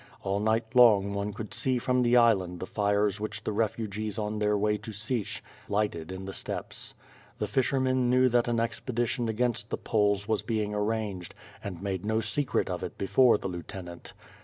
All night long one could see from the island the fires which the refugees on their way to Sich, lierhtcd in the steppes. The fishennen knew that an ex pedition against the Poles was being arranged, and made no WITB FIRE AND 8W0RD. ng secret of it before the lieutenant.